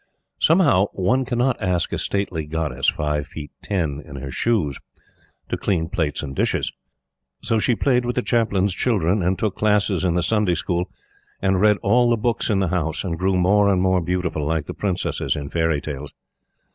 Somehow, one cannot ask a stately goddess, five foot ten in her shoes, to clean plates and dishes. So she played with the Chaplain's children and took classes in the Sunday School, and read all the books in the house, and grew more and more beautiful, like the Princesses in fairy tales.